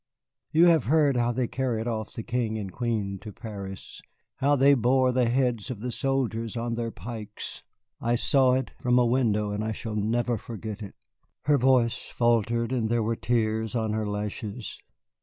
You have heard how they carried off the King and Queen to Paris how they bore the heads of the soldiers on their pikes. I saw it from a window, and I shall never forget it." Her voice faltered, and there were tears on her lashes.